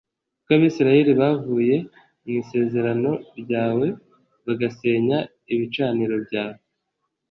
kuko Abisirayeli bavuye mu isezerano ryawe bagasenya ibicaniro byawe